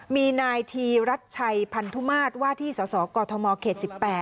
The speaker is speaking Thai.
มีนายธีรัชชัยพันธุมาตรว่าที่สสกมเขต๑๘